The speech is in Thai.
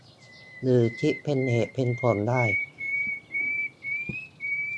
หรือคิดเป็นเหตุเป็นผลได้